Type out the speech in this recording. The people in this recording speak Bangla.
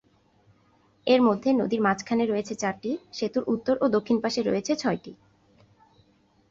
এর মধ্যে নদীর মাঝখানে রয়েছে চারটি, সেতুর উত্তর ও দক্ষিণ পাশে রয়েছে ছয়টি।